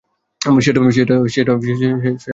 সেটা করেই বা কী লাভ?